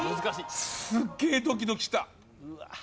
すっげえドキドキした。